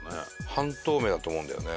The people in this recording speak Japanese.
半透明だと思うんだよね。